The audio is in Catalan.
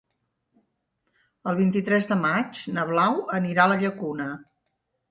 El vint-i-tres de maig na Blau anirà a la Llacuna.